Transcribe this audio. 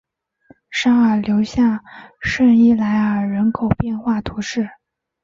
沙尔留下圣伊莱尔人口变化图示